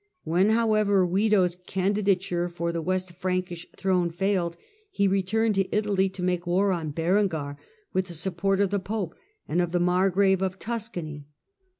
When, however, Wido's candidature for the West Frankish throne failed, he returned to Italy to make war on Berengar, with the support of the Pope and of the Margrave of Tuscany.